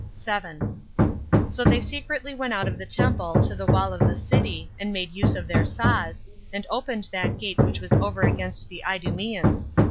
7. So they secretly went out of the temple to the wall of the city, and made use of their saws, and opened that gate which was over against the Idumeans.